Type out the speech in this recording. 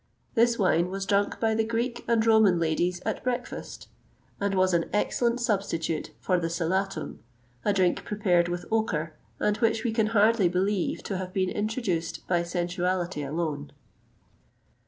[XXVIII 151] This wine was drunk by the Greek and Roman ladies at breakfast,[XXVIII 152] and was an excellent substitute for the silatum, a drink prepared with ochre, and which we can hardly believe to have been introduced by sensuality alone.